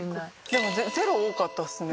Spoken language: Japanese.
でも０多かったですね。